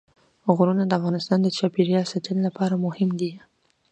غرونه د افغانستان د چاپیریال ساتنې لپاره مهم دي.